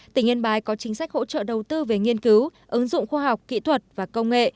tỉnh yên bái có chính sách hỗ trợ đầu tư về nghiên cứu ứng dụng khoa học kỹ thuật và công nghệ